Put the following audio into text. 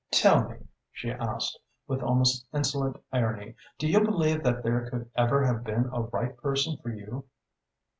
"Tell me," she asked, with almost insolent irony, "do you believe that there could ever have been a right person for you?"